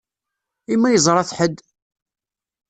I ma yeẓṛa-t ḥedd?